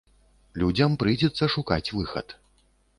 Людзям прыйдзецца шукаць выхад.